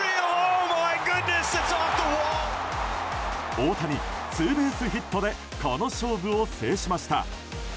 大谷、ツーベースヒットでこの勝負を制しました。